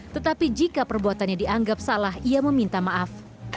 tetapi jika perbuatannya dianggap salah ia meminta maaf